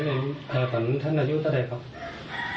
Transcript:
ตอนนั้นท่านนายุทธิ์ได้ครับ